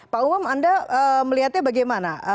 pak umam anda melihatnya bagaimana